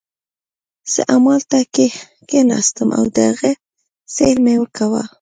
زه همالته کښېناستم او د هغې سیل مې کاوه.